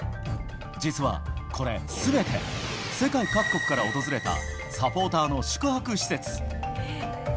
実は、これ、すべて世界各国から訪れたサポーターの宿泊施設。